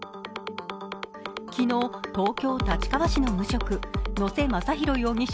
昨日、東京・立川市の無職野瀬雅大容疑者